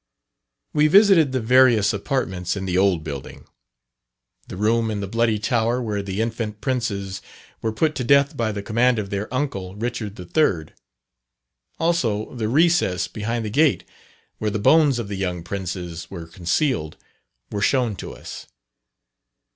We visited the various apartments in the old building. The room in the Bloody Tower, where the infant princes were put to death by the command of their uncle, Richard III.; also, the recess behind the gate where the bones of the young princes were concealed, were shown to us.